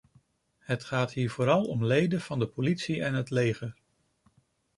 Het gaat hier vooral om leden van de politie en het leger.